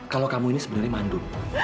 kalau kamu ini sebenarnya mandu